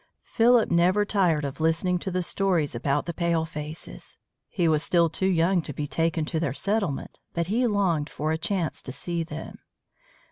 Philip never tired listening to the stories about the palefaces. He was still too young to be taken to their settlement, but he longed for a chance to see them.